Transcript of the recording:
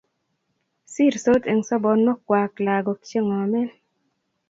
sirsot eng' sobonwokwak lagok che ng'omen